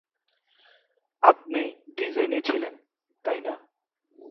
আপনি ডিজাইনে ছিলেন, তাই না?